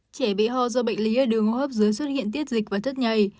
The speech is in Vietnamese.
trẻ bị ho do bệnh lý ở đường hô hấp dưới xuất hiện tiết dịch và chất nhầy